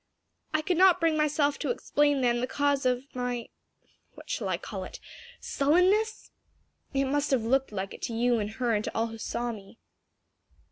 I could not bring myself to explain then the cause of my what shall I call it? sullenness? It must have looked like it to you and her and to all who saw me.